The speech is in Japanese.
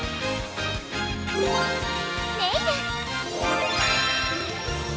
ネイル！